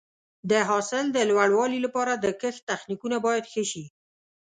د حاصل د لوړوالي لپاره د کښت تخنیکونه باید ښه شي.